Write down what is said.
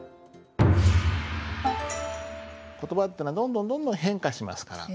言葉っていうのはどんどんどんどん変化しますから。